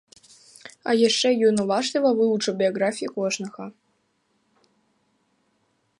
А яшчэ ён уважліва вывучыў біяграфіі кожнага.